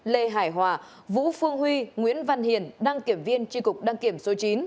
lê hải hòa vũ phương huy nguyễn văn hiền đăng kiểm viên tri cục đăng kiểm số chín